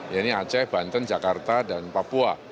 ya ini aceh banten jakarta dan papua